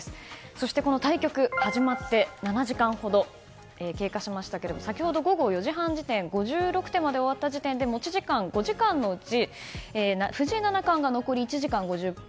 そして、この対局始まって７時間ほど経過しましたけれども先ほど午後４時半時点５６手まで終わった時点で持ち時間５時間のうち藤井七冠が残り１時間５０分